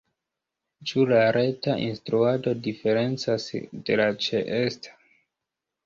Ĉu la reta instruado diferencas de la ĉeesta?